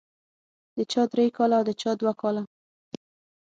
د چا درې کاله او د چا دوه کاله.